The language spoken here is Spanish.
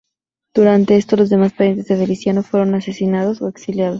Durante esto, los demás parientes de Feliciano fueron o asesinados o exiliados.